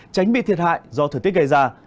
tránh bị thiệt hại do thời tiết gây ra